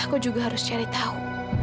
aku juga harus cari tahu